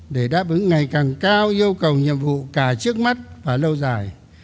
để đáp ứng ngày càng cao yêu cầu nhiệm vụ cả trước mắt và lâu dài